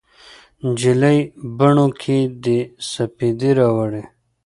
نجلۍ بڼو کې دې سپیدې راوړي